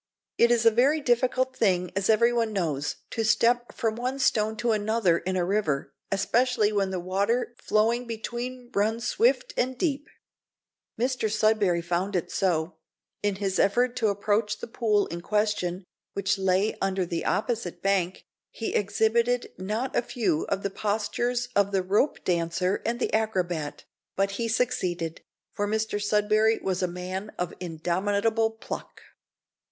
It is a very difficult thing, as everyone knows, to step from one stone to another in a river, especially when the water flowing between runs swift and deep. Mr Sudberry found it so. In his effort to approach the pool in question, which lay under the opposite bank, he exhibited not a few of the postures of the rope dancer and the acrobat; but he succeeded, for Mr Sudberry was a man of indomitable pluck.